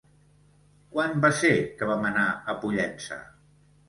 Quan va ser que vam anar a Pollença?